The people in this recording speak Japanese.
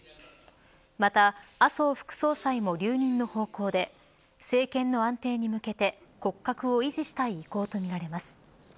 また、麻生副総裁も留任の方向で政権の安定に向けて骨格を維持したい意向とみられます。